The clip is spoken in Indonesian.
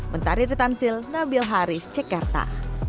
menteri retansil nabil haris cekerta